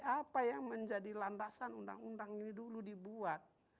apa yang menjadi landasan undang undang ini dulu dibuat